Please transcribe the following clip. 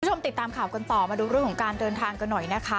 คุณผู้ชมติดตามข่าวกันต่อมาดูเรื่องของการเดินทางกันหน่อยนะคะ